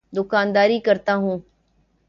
دوکانداری کرتا ہوں۔